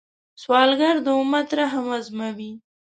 سوالګر د امت رحم ازمويي